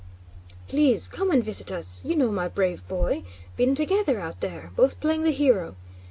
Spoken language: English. "Please come and visit us... you know my brave boy... been together out there... both playing the hero...